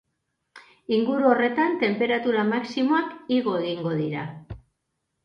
Inguru horretan tenperatura maximoak igo egingo dira.